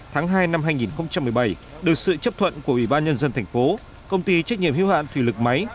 tháng hai năm hai nghìn một mươi bảy được sự chấp thuận của ủy ban nhân dân thành phố công ty trách nhiệm hưu hạn thủy lực máy